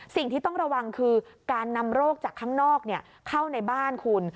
สิ่งที่ต้องระวังคือการนำโรคจากข้างนอกเข้าในบ้านคุณ